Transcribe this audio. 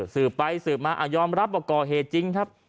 สืบไปสืบมายอมรับว่าก่อเหตุจริงครับ